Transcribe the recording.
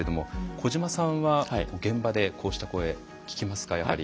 小島さんは現場でこうした声聞きますかやはり。